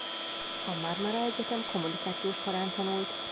A Marmara Egyetem kommunikációs karán tanult.